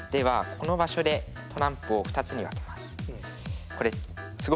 この場所でトランプを２つに分けます。